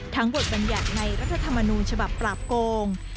ทั้งบทบรรยัติในรัฐธรรมนูลฉบับปราบโกง